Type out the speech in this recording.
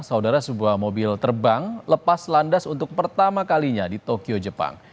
saudara sebuah mobil terbang lepas landas untuk pertama kalinya di tokyo jepang